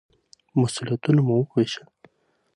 مسوولیتونه مو ووېشل.